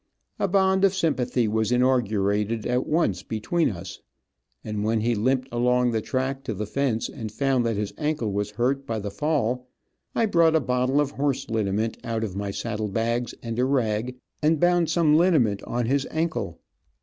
A bond of sympathy was inaugurated at once between us, and when he limped along the track to the fence, and found that his ankle was hurt by the fall, I brought a bottle of horse liniment out of my saddle bags, and a rag, and bound some liniment on his ankle.